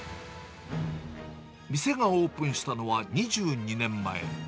店がオープンしたのは、２２年前。